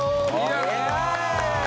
イエーイ！